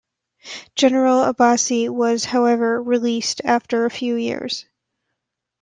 General Abbasi was however released after a few years.